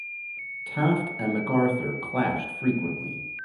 Taft and MacArthur clashed frequently.